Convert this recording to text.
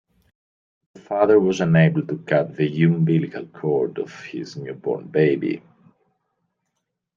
The father was unable to cut the umbilical cord of his newborn baby.